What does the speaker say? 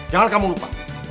jangan kamu lupa